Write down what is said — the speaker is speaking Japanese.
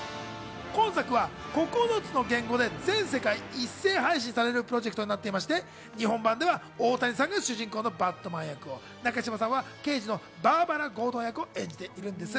今作は９つの言語で全世界一斉配信されるプロジェクトになっていまして、日本版では大谷さんが主人公のバットマン役を中島さんは刑事のバーバラ・ゴードン役を演じているんです。